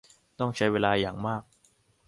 ต้องใช้เวลาอย่างมาก